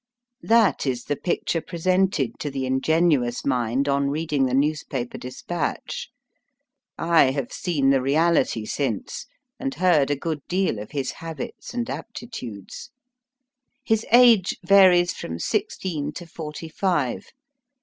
That is the picture presented to the in genuous mind on reading the newspaper de spatch. I have seen the reality since, and heard a good deal of his habits and q^pti tudes. His age varies from sixteen to forty five.